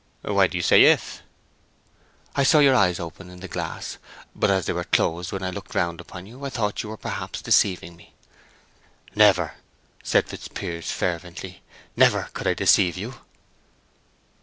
"Why do you say if?" "I saw your eyes open in the glass, but as they were closed when I looked round upon you, I thought you were perhaps deceiving me. "Never," said Fitzpiers, fervently—"never could I deceive you."